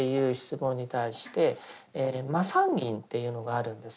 「麻三斤」っていうのがあるんです。